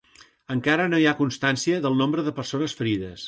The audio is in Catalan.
Encara no hi ha constància del nombre de persones ferides.